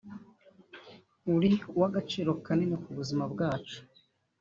uri uw’agaciro kanini ku buzima bwacu